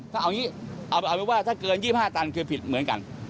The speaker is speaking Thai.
เอาอย่างนี้เอาเป็นว่าถ้าเกิน๒๕ตันคือผิดเหมือนกัน